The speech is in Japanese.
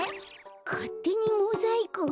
かってにモザイクン？